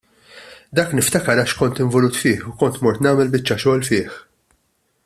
Dak niftakar għax kont involut fih u kont mort nagħmel biċċa xogħol fih.